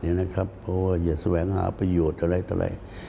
เพราะว่าอย่าแสวงหาประโยชน์อะไรต่ออะไร